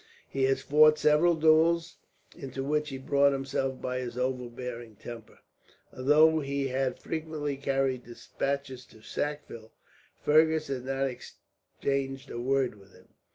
He has fought several duels, into which he brought himself by his overbearing temper." Although he had frequently carried despatches to Sackville, Fergus had not exchanged a word with him.